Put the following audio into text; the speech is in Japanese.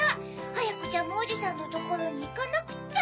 はやくジャムおじさんのところにいかなくっちゃ！